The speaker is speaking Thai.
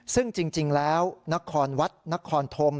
ซึ่งจริงแล้วนครวัดนครธม